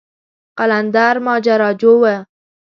قلندر ماجراجو و.